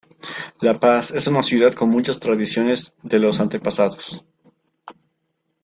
La Paz es una ciudad con muchas tradiciones de los antepasados.